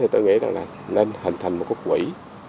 tôi nghĩ là nên hình thành một quốc quỷ